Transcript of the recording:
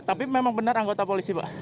tapi memang benar anggota polisi pak